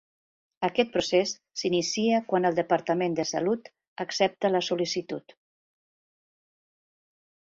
Aquest procés s'inicia quan el Departament de Salut accepta la sol·licitud.